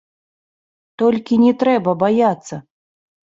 Толькі не трэба баяцца.